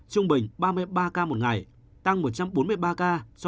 trung bình ba mươi ba ca một ngày tăng một trăm bốn mươi ba ca so với bảy ngày trước đó